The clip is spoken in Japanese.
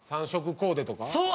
そう！